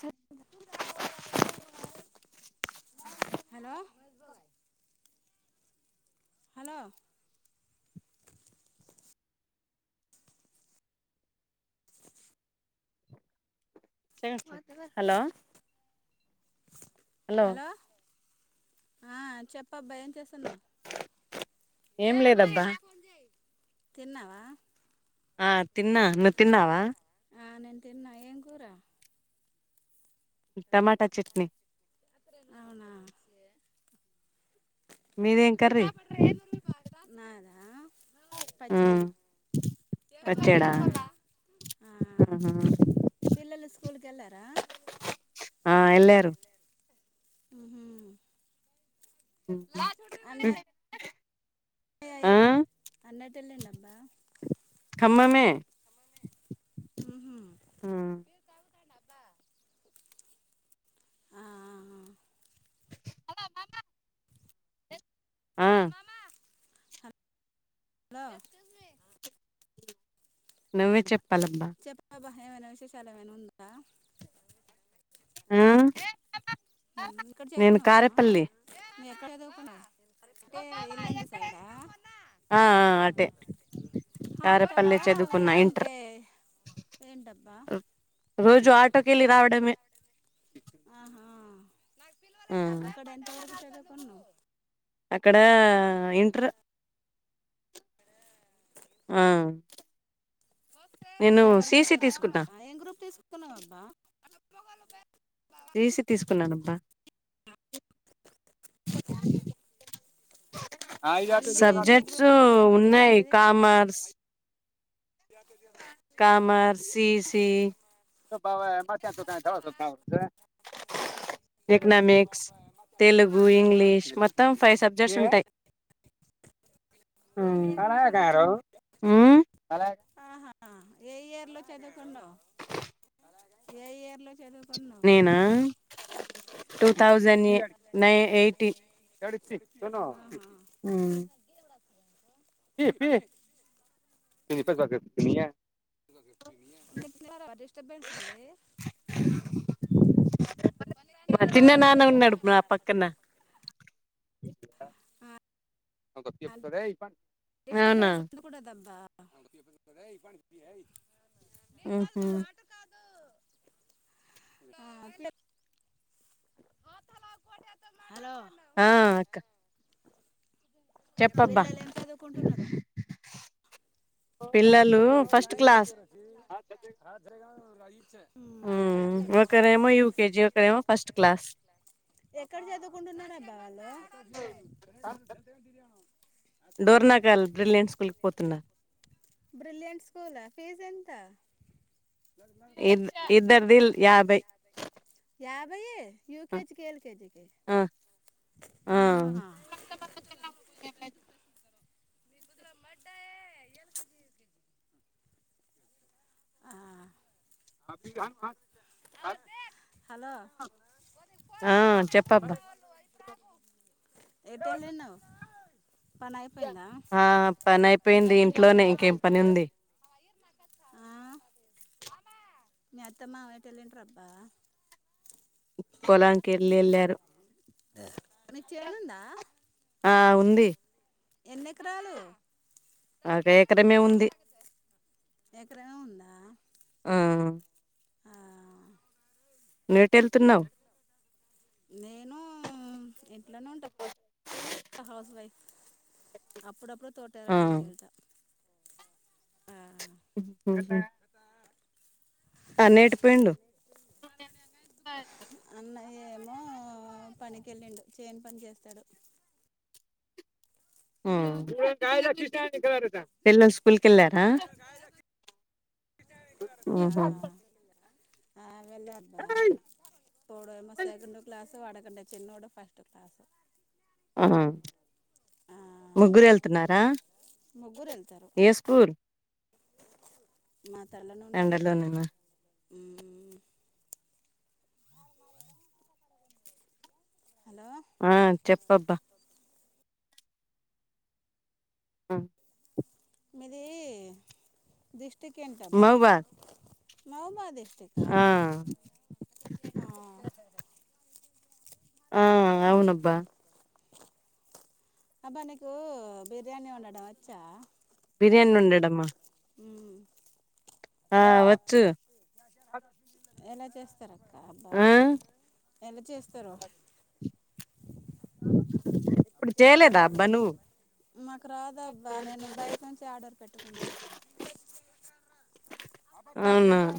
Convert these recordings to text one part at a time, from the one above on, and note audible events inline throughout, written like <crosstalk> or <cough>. జ hello hello hello hello ఆ చెప్ పబ్బాయిని చేస్తున్నావ్ ఏం లేదబ్బా తిన్నావా ఆ తిన్నా నువ్ తిన్నావా ఆ నేను తిన్నా ఏం కూర టమాట చెట్నీ అవునా మీదేం కర్రీ నాదా పచ్చడి టమాటా పచ్చడా పచ్చేడ ఆ పిల్లలు స్కూల్కి వెళ్ళార ఆ ఎళ్ళారు హ ఆ ట్టలే నభ కమ్మనె ఉహు మ్ ఆ ఆ హెలో నువ్వే చెప్పాలమ్మ చెప్పబ్బా ఏమైనా విశేషాలు ఏమైన ఉందా ఆ నేను కారేపల్లి నె అక్కడె చదువుతున్న అ ఆ అటే హాస్టలా కారేపల్లి చదువుకున్నా ఇంటర్ లేకుంటే ఏంటబ్బా రోజు ఆటో కెల్లి రావడమే ఆహా అక్కడ ఎంతవరకు చదువుకున్నావ్ అక్కడా ఇంటర్ ఆ నేను ఇంటర్ వరకు సిసి చదవకుండా తీసుకున్నా ఏం గ్రూప్ తీసుకుంటన్నావబ్బా డీసి తీసుకున్నానబ్బ అందులో ఎన్ని సబ్జెక్ట్స్ గ్రూప్స్ ఉంటాయి అంటే సబ్జెక్ట్ ఉన్నాయి ఇది కామర్స్ కామర్ సి సి <unintelligible> అ ఎకనామిక్స్ తెలుగు ఇంగ్లీష్ మొత్తం ఫైవ్ సబ్జెక్ట్స్ ఉంటాయి హ్మ్ మ్మ్ అహ ఏ ఇయర్ లో చదువుకున్నవ్ ఏ ఇయర్ లో చదువుకున్నావు నేనా two um, thousand nine eighteen ఆహా హ్మ్ <unintelligible> <unintelligible> డిస్టర్బెన్స్ ఉంది <inaudible> మా చిన్న నాన్న ఉన్నాడు నా పక్కన అవునా డిస్టబెన్స్ ఉండకూడదబ్బా <inaudible> ఊహూ అట్లే హలో ఆ అక్క చెప్పబ్బా పిల్లలు ఏం చదువుకుంటున్నారు పిల్లలు ఫస్ట్ క్లాస్ కయించన్ హ్మ్ ఒకరేమో యూకేజీ ఒకరేమో ఫస్ట్ క్లాస్ ఎక్కడ చదువుకుంటున్నారబ్బ వాళ్లు డోర్నాకాల్ బ్రిలియంట్ స్కూల్కి పోతున్నా బ్రిలియంట్ స్కూలా ఫీజ్ ఎంత ఇద్ ఇద్దర్ దిల్ యాభై యాభై ఆ యూకెజికి ఎల్ కేెజికి ఆ ఆ <inaudible> ప్చ్ <inaudible> హలో ఆ చెప్పబ్బా ఎటెల్లినవ్ ఆ పని అయిపోయింది ఇంట్లోనే ఇంకేం పని ఉంది ఆ మీ అత్త మామ ఎటెళ్ళంట్ర అబ్బా పొలాని కి వెళ్ళెళ్లారు మీకు చేనుందా ఉంది ఎన్ని ఎకరాలు అదే ఎకరమే ఉంది ఎకరమే ఉందా ఆ ఆ, నువ్ ఎటెళ్తున్నావ్ నేను ఇంట్లోనే ఉంటా హౌస్ వైఫ్ అప్పుడప్పుడు ఆ తోటరేడానికి వెళ్తా ఆ, ఉహు హూ అన్నేటు పోయిండు అన్నయ్య ఏమో పనికి వెళ్ళిండు చేని పని చేస్తాడు హ్మ్ పిల్లలు స్కూల్కి వెళ్లారా <unintelligible> ఊహూ ఆ, ఆ వెళ్ళాడు రా ఒకడేమో సెకండ్ క్లాస్ వాడికంటే కంటే చిన్నోడు ఫస్ట్ క్లాస్ ఆ ముగ్గురు వెళ్తున్నారా ముగ్గురు వెళ్తారు ఏ స్కూల్ మా తెల్లనే ఉంటది ఎండలోనేనా హలో ఆ చెప్పబ్బా ఆ మీది డిస్టిక్ ఏంటారా మహబాద్ మావోబాది ఆ ఆ ఆ అవునబ్బా అబ్బా నీకు బిర్యానీ వండడం వచ్చా బిర్యానీ వండడం మా మ్మ్. ఆ వచ్చు ఎలా చేస్తారు అక్క అబ్బా ఎలా చేస్తరు ఎప్పుడు చేయలేదా అబ్బా నువ్వు మాకు రాదబ్బా నేను బయట నుంచి ఆర్డర్ పెట్టుకుంటా అబ్బా అవునా <unintelligible>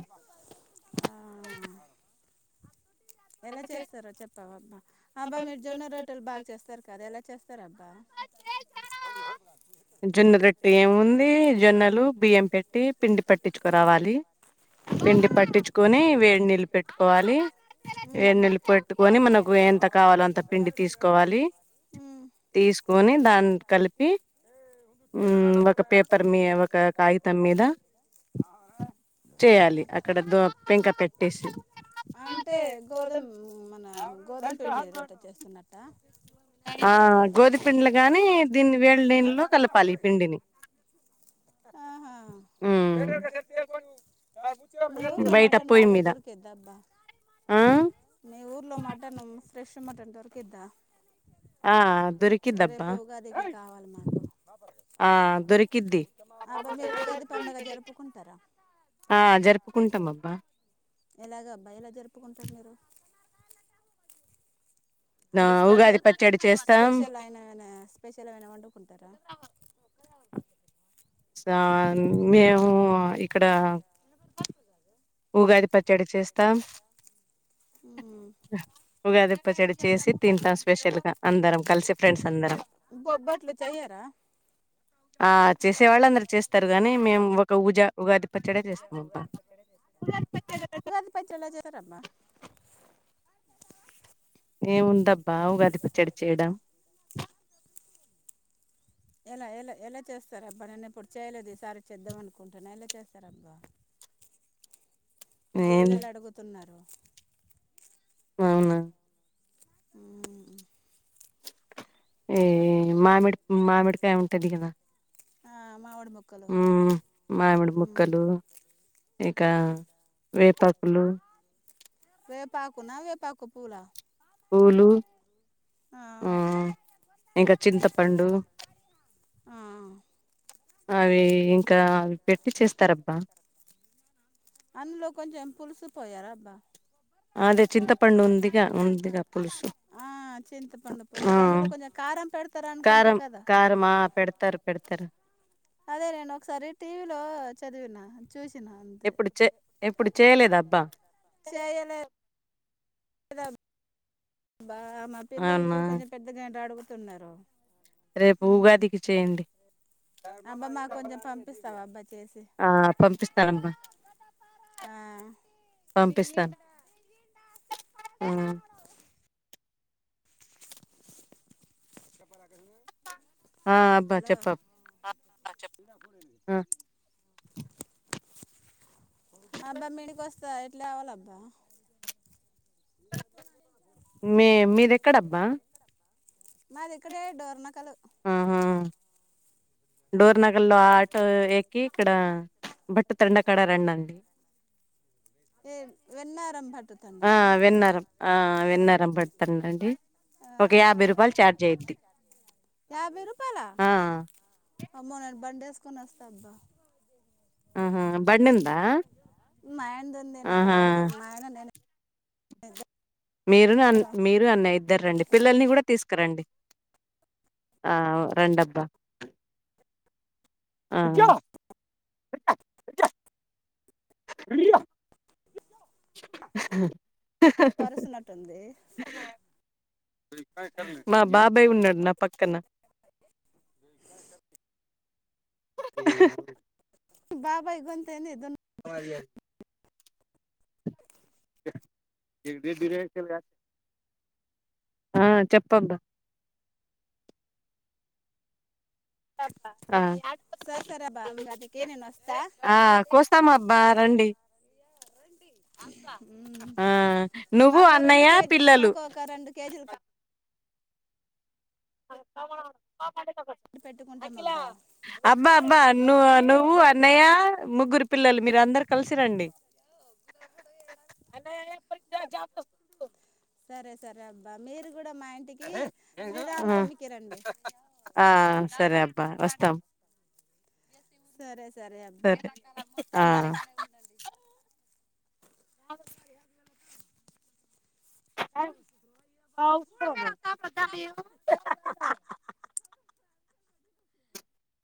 ఎలా చేస్తారో చెప్పావా అబ్బా అబ్బా మీరు జొన్న రోట్టెలు బాగా చేస్తారు కదా ఎలా చేస్తార అబ్బా జొన్న రొట్టె ఏముంది జొన్నలు బియ్యం పెట్టి పిండి పట్టించుకురావాలి పిండి ఉమ్ పట్టించుకొని వేడినీళ్ళు పెట్టుకోవాలి వేడి ఉమ్ నీళ్లు పెట్టుకొని మనకు ఎంత కావాలో అంత పిండి తీసుకోవాలి ఉమ్ తీసుకొని దాన్ని కలిపి హ్మ్ ఒక పేపర్ మీ ఒక కాగితం మీద ఆర <inaudible> చేయాలి అక్కడ దో పెంక పెట్టేసి అంటే గోధుమ్ మన గోధుమ పిండీ రొట్టె చేస్తున్నట్ట ఆ గోదిమపిండీ గాని దీన్ని వేడి నీళ్లలో కలపాలి ఈ పిండిని ఆహా హ్మ్ మీ ఊర్లో మటన్ బాగా దొరికిద్ది అబ్బా ఆ మీ ఊర్లో మటన్ ఫ్రెష్ మటన్ దొరికిద్దా ఆ దొరికిద్దబ్బా రేపు ఉగాదికి కావాలి మాకు ఆ దొరికిద్ది అబ్బా మీరు ఉగాది పండగ జరుపు జరుపుకుంటారా ఆ జరుపుకుంటాం అబ్బా ఎలాగబ్బా ఎలా జరుపు కుంటారు మీరు ఆ అంటే ఉగాది స్పెషల్ పచ్చడి చేస్తాం స్పెషల్ అయిన ఏనా స్పెషల్ ఏనా వండుకుంటారా సా మేము ఇక్కడ ఉగాది పచ్చడి చేస్తాం ఉగాది పచ్చడి చేసి తింటాం స్పెషల్ గా అందరం కలిసి ఫ్రెండ్స్ అందరం బొబ్బట్లు చెయ్యారా ఆ చేసే వాళ్ళు అందరు చేస్తారు గాని మేము ఒక ఊజ ఉగాది పచ్చడే చేస్తాం అబ్బా ఉగాది పచ్చడ చేయ రమ్మా ఏముందబ్బ ఉగాది పచ్చడి చేయడం ఎలా ఎలా ఎలా చేస్తార అబ్బా నేను ఇప్పుడు చేయలేదు ఈసారి చేద్దాం అనుకుంటున్నా ఎలా చేస్తార అబ్బా మా ఏం పిల్లలు అడుగుతున్నారు అవునా ఆ ఏ మామిడి మామిడికాయ ఉంటాది కదా ఆ మామిడి ముక్కలు హ్మ్ మామిడి ఉమ్, ముక్కలు ఇకా వేపకులు వేపాకున్నా వేపాకు పూలా పూలు ఆ ఇంకా చింతపండు ఆ అవి ఇంకా అవి పెట్టి చేస్తారబ్బా అందులో కొంచెం పులుసు పోయారా అబ్బా అదే చింతాపండు ఉందిగా ఉందిగా పులుసు ఆ చింతపండు ఆ పులుసు అందులో కొంచెం కారం పెడుతారు అనుకుంటా కదా తరు అదే నేను ఒకసారి టీవీ లో చదివిన చూస్ ఎప్పుడు చేయ్ ఎప్పుడు చేయలేదా అబ్బా బా మా పిల్లలు అవునా ఇప్పుడు కొంచెం పెద్దగైన్రూ అడుగుతున్నారు రేపు ఉమ్ ఉగాదికి చేయండి! అబ్బా మాకు కొంచెం పంపిస్తావా అబ్బా చేసి ఆ పంపిస్తా ఉ చెప్పారా కర్ణ ఆ అబ్బా చెప్పబ్ ఆ చెప్ ఆ అబ్బా మిడికొస్తా ఎట్లా ఒవాల అబ్బా మీ మీది ఎక్కడ అబ్బా మాది ఇక్కడే డోర్నకలు డోర్నకల్ లో ఆటో ఎక్కి ఇక్కడ బట్ట్ తండ కడ రం అంటి ఏ వెన్నారం బట్ ఆ వెన్నరం ఆ వెన్నారం పెడతనండి ఆ ఒక యాభై రూపాయలు ఛార్జ్ అయ్యింది యాభై రూపాయలా ఆ అమ్మో బండి ఏసుకోని వస్తా అబ్బా ఆహా బండి ఉందా మా ఆయన ది వుంది నాకు ఆహా రాదు మా ఆయన నినే ఎదా మీరు అన్ మీరు అన్నయ్య ఇద్దరు రండి పిల్లల్ని కూడా తీసు కరండి అవో రండి అబ్బా అ <inaudible> <unintelligible> కరుస్తున్నట్టుంది మా బాబాయ్ ఉన్నాడు నా పక్కన గంధమ్ <inaudible> బాబాయ్ గొంతు ఏం చేద్దును పా ఇయ్యది డిడిరేకుల ఆ చెప్పు అబ్బా ఆ సరే సరే అబ్బా మే అద్దెకే నేను వస్తా ఆ కోస్తాం అబ్బా రండి ఏంటి అబ్బా ఉ ఆ నువ్వు మాకు రెండు అన్నయ్య కేజీ పిల్లలు మాకు ఒక రెండు కేజీలు కా అంతా మనం అడు కోము కాయలు పెట్టుకుంటాం అబ్బా అబ్బా అబ్బా ను నువ్వు అన్నయ్య ముగ్గురు పిల్లలు మీరు అందరు కలిసి రండి అన్నయ్య ఎప్పటికీ జాబ్ తొ సరే సరే అబ్బా మీరు కూడా మా ఇంటికి ఆ శ్రీరామనవమికి రండి, ఆ సరే అబ్బా వస్తాం సరే సరే అబ్బా ఆ అ <unintelligible>